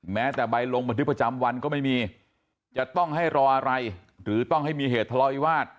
แม้แต่ใบลงบันทึกประจำวันก็ไม่มีจะต้องให้รออะไรหรือต้องให้มีเหตุทะเลาวิวาส